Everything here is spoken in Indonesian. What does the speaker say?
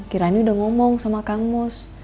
kiranya udah ngomong sama kang mus